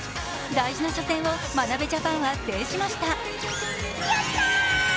大事な初戦を眞鍋ジャパンは制しました。